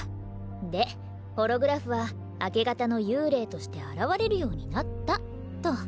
でホログラフは明け方の幽霊として現れるようになったと。